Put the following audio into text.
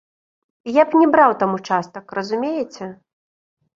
Я б не браў там участак, разумееце?